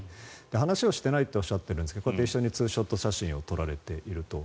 話してないとおっしゃっていますがツーショット写真を撮られていると。